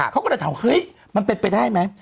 เขาก็เลยถามเฮ้ยมันเป็นไปได้ไหม